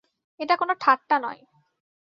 এটা কোনো ঠাট্টা নয়।